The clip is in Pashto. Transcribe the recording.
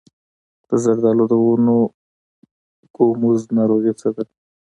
د زردالو د ونو ګوموز ناروغي څه ده؟